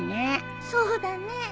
そうだね。